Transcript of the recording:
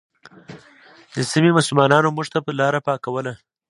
د سیمې مسلمانانو موږ ته لاره پاکوله.